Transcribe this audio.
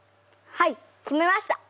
はい決めました！